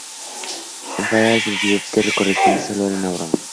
Enfadada al principio, Peter le responde que "solo era una broma".